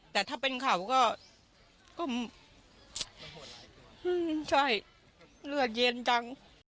แต่ถ้าเป็นเขาก็ใช่เลือดเย็นจัง